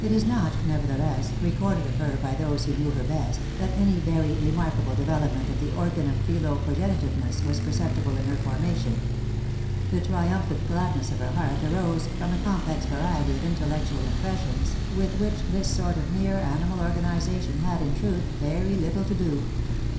It is not, nevertheless, recorded of her by those who knew her best, that any very remarkable development of the organ of philo progenitiveness was perceptible in her formation. The 'triumphant gladness of her heart arose from a complex variety of intellectual impressions with which this sort of mere animal organisation had, in truth, very Uttle to do.